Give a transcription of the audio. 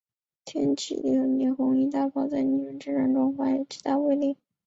天启六年红夷大炮在宁远之战中发挥极大威力。